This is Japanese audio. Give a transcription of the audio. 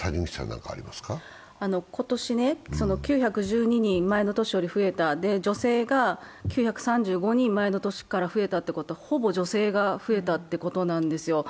今年、９１２人、前の年より増えた、女性が９３５人前の年から増えたということは、ほぼ女性が増えたということなんですよ。